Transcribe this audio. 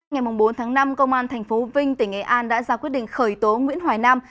ngày bốn tháng năm công an tp vinh tỉnh nghệ an đã ra quyết định khởi tố nguyễn hoài nam